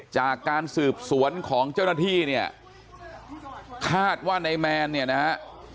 จากการสืบสวนของเจ้าหน้าที่เนี่ยคาดว่านายแมนเนี่ยนะฮะ